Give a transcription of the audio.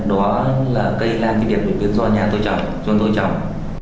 đó là cây lan phi đẹp đột biến do nhà tôi trồng